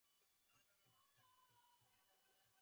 না না না, আমি তাকে বলবো, গোপনে!